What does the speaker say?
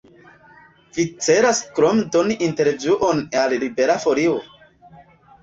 Vi celas krom doni intervjuon al Libera Folio?